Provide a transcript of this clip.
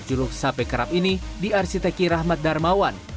sebut saja penyerang sayap bayu gatra bek fahluddin arianto